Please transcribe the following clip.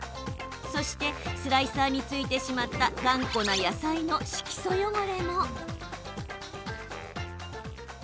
そしてスライサーについてしまった頑固な野菜の色素汚れも。